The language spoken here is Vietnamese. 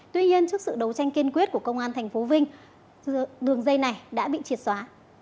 tuy nhiên trước sự đấu tranh kiên quyết của công an tp vinh đường dây này đã bị triệt xóa